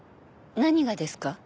何がですか？